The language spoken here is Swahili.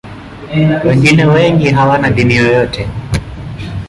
Wengine wengi hawana dini yoyote.